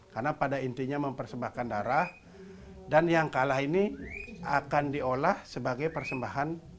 karena pada intinya mempersembahkan darah dan yang kalah ini akan diolah sebagai persembahan